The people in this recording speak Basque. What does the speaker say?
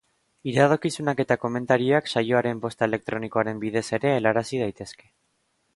Iradokizunak eta komentarioak saioaren posta elektronikoaren bidez ere helarazi daitezke.